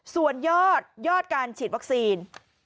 ส่วนยอดยอดการฉีดวัคซีน